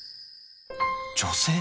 女性！！